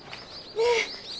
ねえ。